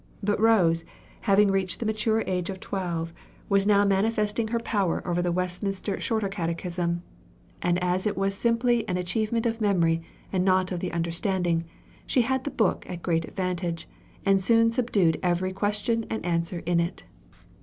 But Rose, having reached the mature age of twelve, was now manifesting her power over the Westminster Shorter Catechism; and as it was simply an achievement of memory and not of the understanding, she had the book at great advantage, and soon subdued every question and answer in it.